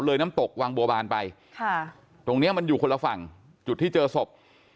น้ำตกวังบัวบานไปค่ะตรงเนี้ยมันอยู่คนละฝั่งจุดที่เจอศพ